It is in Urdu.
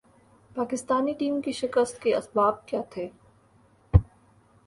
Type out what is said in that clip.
پاکستانی ٹیم کے شکست کے اسباب کیا تھے ۔